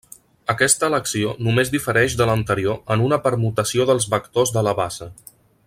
Aquesta elecció només difereix de l'anterior en una permutació dels vectors de la base.